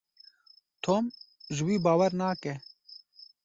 Tom ji wî bawer nake.